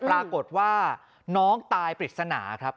ปรากฏว่าน้องตายปริศนาครับ